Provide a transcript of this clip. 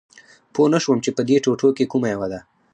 پوه نه شوم چې په دې ټوټو کې کومه یوه ده